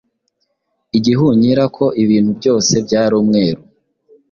igihunyira ko ibintu byose byari umweru.